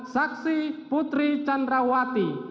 saksi putri candrawati